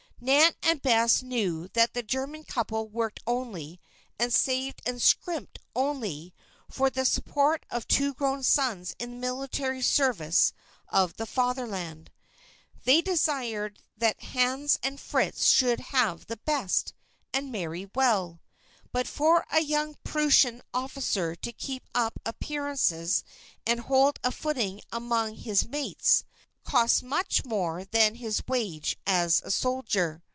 Nan and Bess knew that the German couple worked only, and saved and "scrimped" only, for the support of two grown sons in the military service of the Fatherland. They desired that Hans and Fritz should have the best, and marry well. But for a young Prussian officer to keep up appearances and hold a footing among his mates, costs much more than his wage as a soldier.